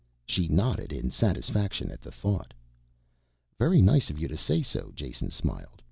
She nodded in satisfaction at the thought. "Very nice of you to say so," Jason smiled.